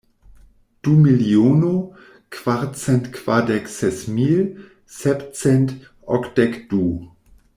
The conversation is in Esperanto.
Du miliono, kvarcent kvardek ses mil, sepcent okdek du.